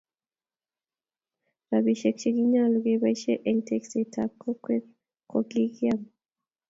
Rabisiek che kinyalo kebaisye eng tekset ab kokwet kokikiam